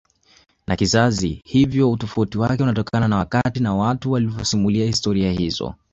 na kizazi hivyo utofauti wake unatokana na wakati na watu waliyosimulia historia hizo